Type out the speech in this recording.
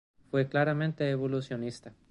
Fue claramente evolucionista.